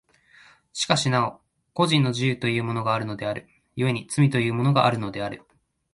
しかしなお個人の自由というものがあるのである、故に罪というものがあるのである。